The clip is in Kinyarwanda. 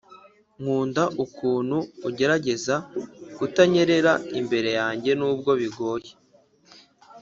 nkunda ukuntu ugerageza kutanyerera imbere yanjye, nubwo bigoye.